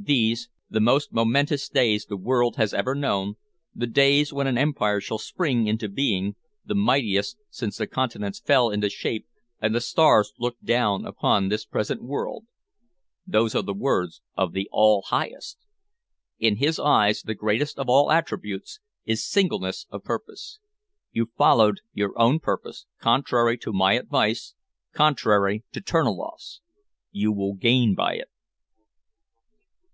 These, the most momentous days the world has ever known, the days when an empire shall spring into being, the mightiest since the Continents fell into shape and the stars looked down upon this present world.' Those are the words of the All Highest. In his eyes the greatest of all attributes is singleness of purpose. You followed your own purpose, contrary to my advice, contrary to Terniloff's. You will gain by it."